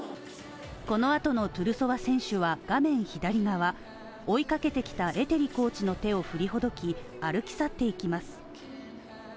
このあとのトゥルソワ選手は画面左側追いかけてきたエテリコーチの手を振りほどき、歩き去っていきます。